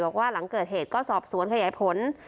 บอกว่าหลังเกิดเหตุสอบสวนขยายหนึ่ง